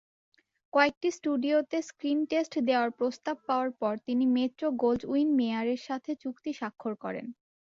কয়েকটি স্টুডিওতে screen test দেওয়ার প্রস্তাব পাওয়ার পর তিনি মেট্রো-গোল্ডউইন-মেয়ারের সাথে চুক্তি স্বাক্ষর করেন।